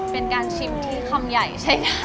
เป็นการชิมที่คำใหญ่ใช้ได้